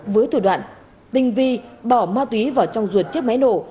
với thủ đoạn tinh vi bỏ ma túy vào trong ruột chiếc máy nổ